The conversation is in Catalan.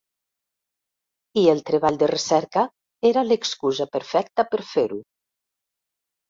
I el Treball de Recerca era l'excusa perfecta per fer-ho.